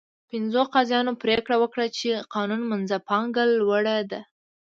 پنځو قاضیانو پرېکړه وکړه چې قانون منځپانګه لوړه ده.